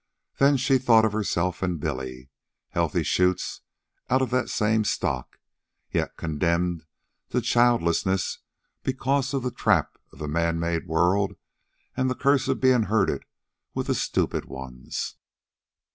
Then she thought of herself and Billy, healthy shoots of that same stock, yet condemned to childlessness because of the trap of the manmade world and the curse of being herded with the stupid ones.